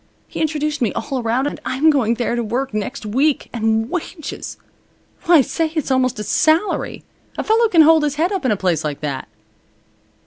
He introduced me all around, and I'm going there to work next week. And wages! Why say, it's almost a salary. A fellow can hold his head up in a place like that."